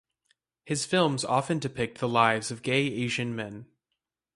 His films often depict the lives of gay Asian men.